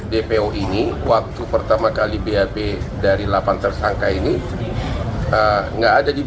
dpo ini waktu pertama kali bap dari delapan tersangka ini enggak ada di bap